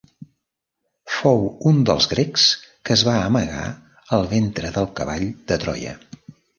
Fou un dels grecs que es van amagar al ventre del Cavall de Troia.